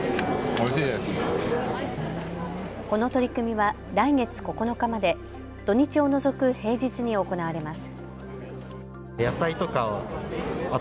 この取り組みは来月９日まで土日を除く平日に行われます。